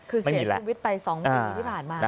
คือเสียชีวิตไป๒ปีที่ผ่านมา